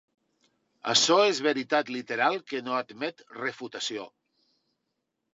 Açò és veritat literal que no admet refutació.